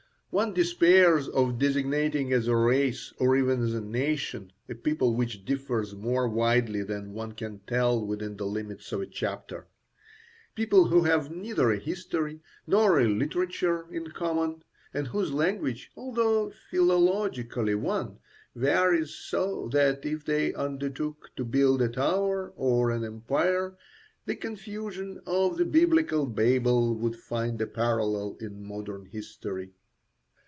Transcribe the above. One despairs of designating as a race, or even as a nation, a people which differs more widely than one can tell within the limits of a chapter; people who have neither a history nor a literature in common, and whose language, although philologically one, varies so that if they undertook to build a tower or an empire, the confusion of the Biblical Babel would find a parallel in modern history.